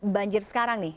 banjir sekarang nih